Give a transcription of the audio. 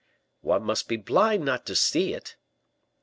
"One must be blind not to see it."